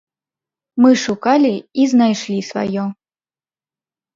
Мы шукалі і знайшлі сваё.